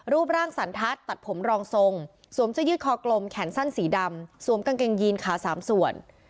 รูปร่างสันทัศน์ตัดผมรองทรงสวมเสื้อยืดคอกลมแขนสั้นสีดำสวมกางเกงยีนขาสามส่วน